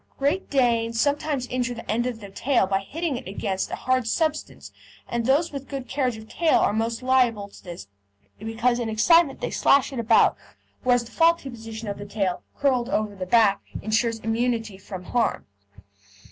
Great Danes sometimes injure the end of the tail by hitting it against a hard substance, and those with a good carriage of tail are most liable to this because in excitement they slash it about, whereas the faulty position of the tail, curled over the back, insures immunity from harm.